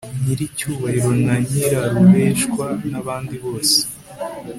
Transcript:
nyiricyubahiro na nyirarureshwa, nabandi bose